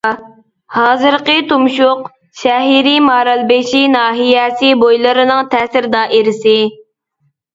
ھازىرقى تۇمشۇق شەھىرى مارالبېشى ناھىيەسى بويلىرىنىڭ تەسىر دائىرىسى.